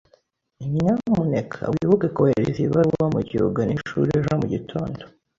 Nyamuneka wibuke kohereza iyi baruwa mugihe ugana ishuri ejo mugitondo.